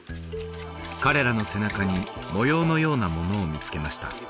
彼らの背中に模様のようなものを見つけました